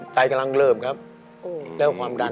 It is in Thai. ใจกำลังเริ่มครับแล้วความดัน